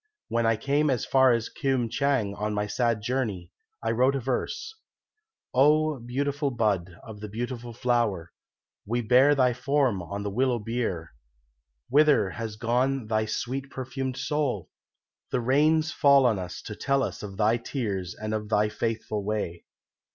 When I came as far as Keum chang on my sad journey, I wrote a verse 'O beautiful Bud, of the beautiful Flower, We bear thy form on the willow bier; Whither has gone thy sweet perfumed soul? The rains fall on us To tell us of thy tears and of thy faithful way.'